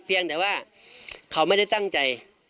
เพียงแต่ว่าเขาไม่ได้ตั้งใจ